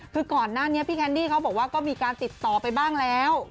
คือก่อนหน้านี้พี่แคนดี้เขาบอกว่าก็มีการติดต่อไปบ้างแล้ว